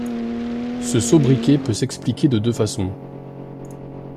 Ce sobriquet peut s'expliquer de deux façons.